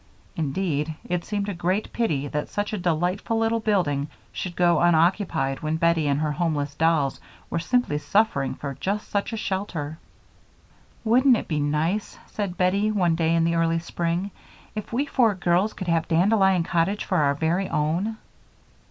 Indeed, it seemed a great pity that such a delightful little building should go unoccupied when Bettie and her homeless dolls were simply suffering for just such a shelter. "Wouldn't it be nice," said Bettie, one day in the early spring, "if we four girls could have Dandelion Cottage for our very own?"